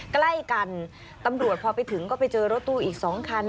ใกล้กันตำรวจพอไปถึงก็ไปเจอรถตู้อีก๒คัน